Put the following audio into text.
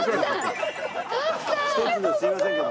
１つですいませんが。